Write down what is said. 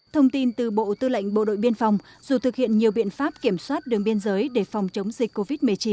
thông tin từ bộ tư lệnh bộ đội biên phòng dù thực hiện nhiều biện pháp kiểm soát đường biên giới để phòng chống dịch covid một mươi chín